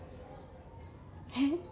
えっ？